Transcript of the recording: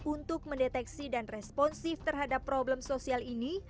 untuk mendeteksi dan responsif terhadap problem sosial ini